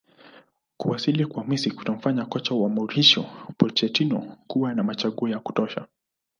Kuwasili kwa Messi kutamfanya kocha wa Mauricio Pochettino kuwa na machaguo ya kutosha